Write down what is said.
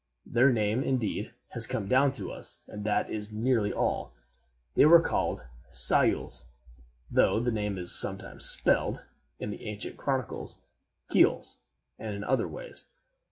Their name, indeed, has come down to us, and that is nearly all. They were called cyules; though the name is sometimes spelled, in the ancient chronicles, ceols, and in other ways.